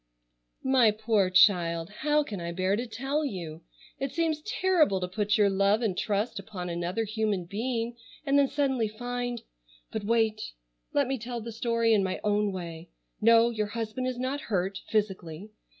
"My poor child! How can I bear to tell you? It seems terrible to put your love and trust upon another human being and then suddenly find—— But wait. Let me tell the story in my own way. No, your husband is not hurt, physically.